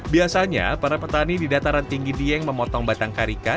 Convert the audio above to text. biasanya para petani di dataran tinggi dieng memotong batang karika